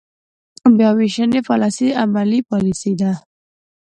بیا وېشنې پاليسۍ عملي پاليسۍ دي.